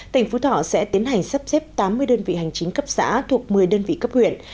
tỉnh phú thọ sẽ tiến hành sắp xếp tám mươi đơn vị hành chính cấp xã thuộc một mươi đơn vị cấp huyện